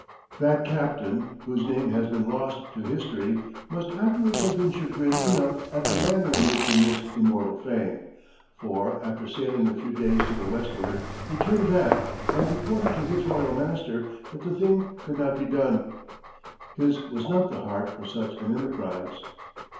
That captain, whose name has been lost to history, must afterwards have been chagrined enough at the manner in which he missed immortal fame, for, after sailing a few days to the westward, he turned back and reported to his royal master that the thing could not be done. His was not the heart for such an enterprise.